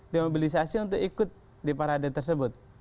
dimobilisasi untuk ikut di parade tersebut